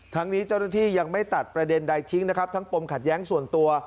ทั้งนี้เจ้าหน้าที่ยังไม่ตัดประเด็นใดทิ้งนะครับทั้งปมขัดแย้งส่วนตัว